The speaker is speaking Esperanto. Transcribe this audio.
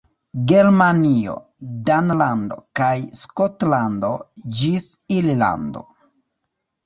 Germanio, Danlando kaj Skotlando, ĝis Irlando.